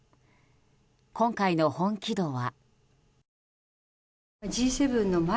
今回の本気度は。